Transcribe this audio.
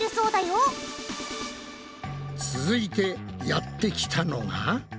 続いてやってきたのが。